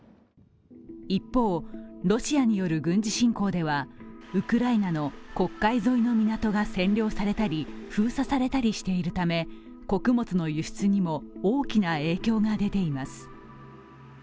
一方、ロシアによる軍事侵攻ではウクライナの黒海沿いの港が占領されたり封鎖されたりしているため穀物の輸出にも大きな影響が出ています。